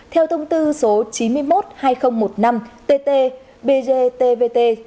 theo thông tư số chín mươi một hai nghìn một mươi năm tt bgtvt